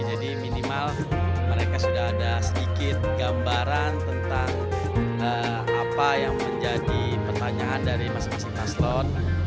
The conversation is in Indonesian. jadi minimal mereka sudah ada sedikit gambaran tentang apa yang menjadi pertanyaan dari masing masing paslon